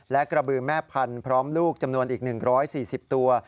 และกระบือแม่พันธุ์พร้อมลูกจำนวนอีก๑๔๐ตัว